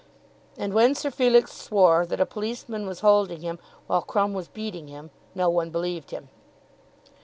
And when Sir Felix swore that a policeman was holding him while Crumb was beating him, no one believed him.